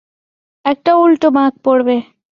একটা উল্টো বাঁক পড়বে।